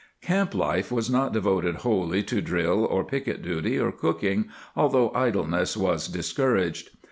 ^ Camp life was not devoted wholly to drill or picket duty or cooking, although idleness was discouraged.